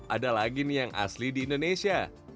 ada lagi nih yang asli di indonesia